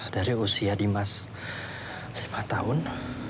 dari usia dimas lima tahun